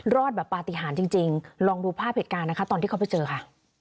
รอดแบบปฏิหารจริงลองดูภาพเหตุการณ์นะคะตอนที่เขาไปเจอค่ะ